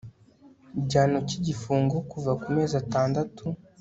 igihano cy igifungo kuva ku mezi atandatu